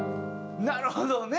なるほどね。